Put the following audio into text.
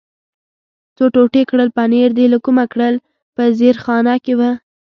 څو ټوټې کړل، پنیر دې له کومه کړل؟ په زیرخانه کې و.